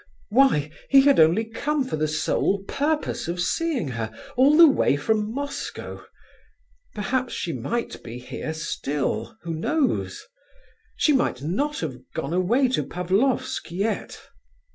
Why, he had only come for the sole purpose of seeing her, all the way from Moscow! Perhaps she might be here still, who knows? She might not have gone away to Pavlofsk yet.